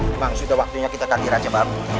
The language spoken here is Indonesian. memang sudah waktunya kita ganti raja baru